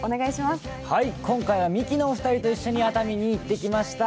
今回はミキのお二人と一緒に熱海に行ってきました。